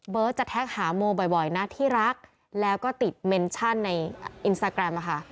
จะแท็กหาโมบ่อยนะที่รักแล้วก็ติดเมนชั่นในอินสตาแกรมค่ะ